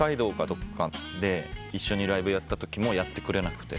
どっかで一緒にライブやったときもやってくれなくて。